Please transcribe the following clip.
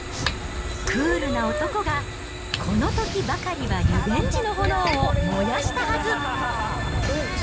クールな男が、この時ばかりはリベンジの炎を燃やしたはず。